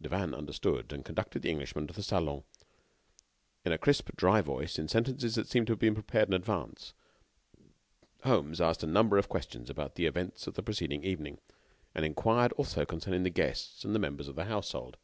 Devanne understood, and conducted the Englishman to the salon. In a dry, crisp voice, in sentences that seemed to have been prepared in advance, Holmes asked a number of questions about the events of the preceding evening, and enquired also concerning the guests and the members of the household.